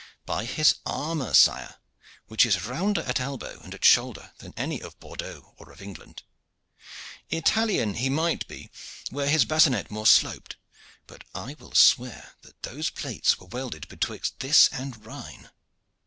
"By his armor, sire, which is rounder at elbow and at shoulder than any of Bordeaux or of England. Italian he might be were his bassinet more sloped, but I will swear that those plates were welded betwixt this and Rhine.